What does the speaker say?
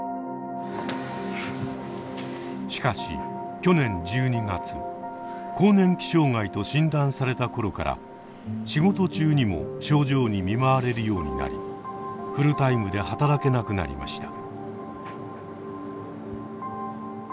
しかし去年１２月更年期障害と診断された頃から仕事中にも症状に見舞われるようになりフルタイムで働けなくなりました。